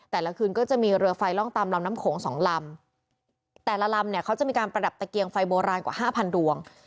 แต่ละคืนก็จะมีเรือไฟล่องตามลำน้ำโขงสองลำแต่ละลำเนี่ยเขาจะมีการประดับตะเกียงไฟโบราณกว่าห้าพันดวง